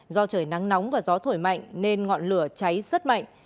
do trời nắng nóng và gió thổi mạnh nên ngọn lửa cháy rất mạnh